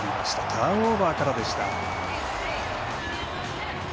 ターンオーバーからでした。